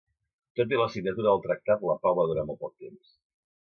Tot i la signatura del Tractat la pau va durar molt poc temps.